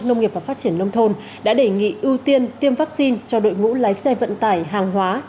nông nghiệp và phát triển nông thôn đã đề nghị ưu tiên tiêm vaccine cho đội ngũ lái xe vận tải hàng hóa